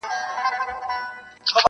تر څنګ د زورورو زړه ور مه کښېنه متل دی-